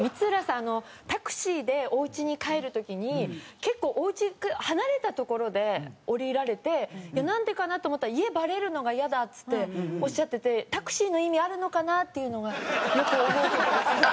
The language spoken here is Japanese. あのタクシーでおうちに帰る時に結構おうちから離れた所で降りられてなんでかな？と思ったら「家バレるのがイヤだ」っつっておっしゃっててタクシーの意味あるのかな？っていうのがよく思う事です。